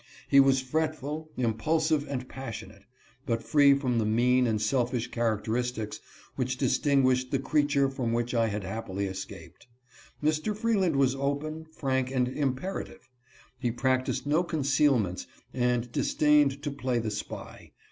He was fretful, impulsive, and passionate, but free from the mean and selfish characteristics which dis tinguished the creature from which I had happily escaped. Mr. Freeland was open, frank, and imperative. He practiced no concealments and disdained to play the spy.